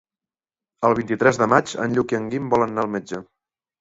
El vint-i-tres de maig en Lluc i en Guim volen anar al metge.